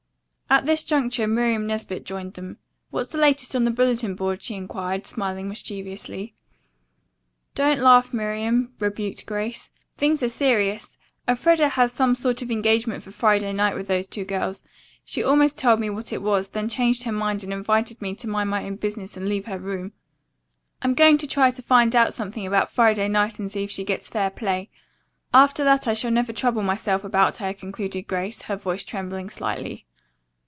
At this juncture Miriam Nesbit joined them. "What's the latest on the bulletin board?" she inquired, smiling mischievously. "Don't laugh, Miriam," rebuked Grace. "Things are serious. Elfreda has some sort of engagement for Friday night with those two girls. She almost told me what it was, then changed her mind and invited me to mind my own business and leave her room. I'm going to try to find out something about Friday night and see that she gets fair play. After that I shall never trouble myself about her," concluded Grace, her voice trembling slightly.